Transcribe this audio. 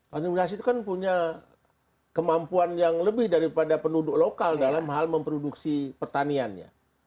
kontinuasi itu kan punya kemampuan yang lebih daripada penduduk lokal dalam hal memproduksi pertanian ya